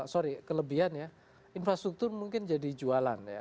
sorry kelebihan ya infrastruktur mungkin jadi jualan ya